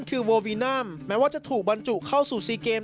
คือโววินัมแม้ว่าจะถูกบรรจุเข้าสู่ซีเกม